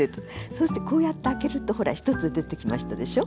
そしてこうやって開けるとほら１つ出てきましたでしょ。